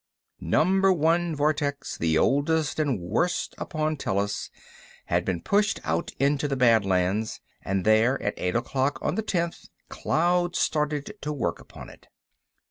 Number One vortex, the oldest and worst upon Tellus, had been pushed out into the Badlands; and there, at eight o'clock on the tenth, Cloud started to work upon it.